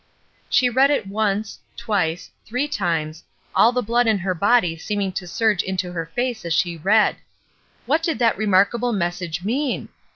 She read it once, twice, three times, all the blood in her body seeming to surge into her face as she read. What did that remarkable message mean?